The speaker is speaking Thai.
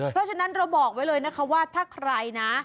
เพราะฉะนั้นเราบอกไว้เลยนะคะว่าถ้าใครนะ